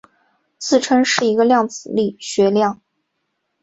宇称是一个量子力学量。